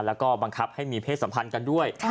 แล้วก็บังคับให้มีเพศสัมพันธ์กันด้วย